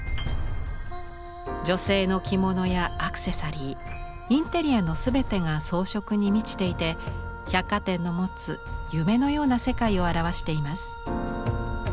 女性の着物やアクセサリーインテリアの全てが装飾に満ちていて百貨店の持つ夢のような世界を表しています。